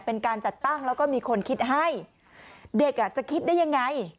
เป็นการจัดตั้งแล้วก็มีคนคิดให้เด็กอ่ะจะคิดได้ยังไง